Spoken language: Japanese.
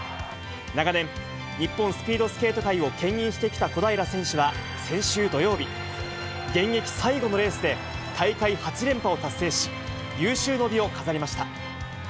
長年、日本スピードスケート界をけん引してきた小平選手は先週土曜日、現役最後のレースで大会８連覇を達成し、有終の美を飾りました。